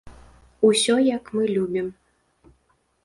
Усё, як мы любім.